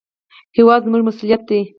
هېواد زموږ مسوولیت دی